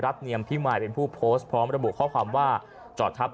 เนียมพิมายเป็นผู้โพสต์พร้อมระบุข้อความว่าจอดทับ